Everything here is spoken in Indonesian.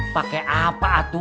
pake apa atuh